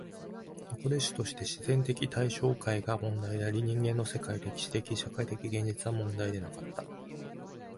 そこでは主として自然的対象界が問題であり、人間の世界、歴史的・社会的現実は問題でなかった。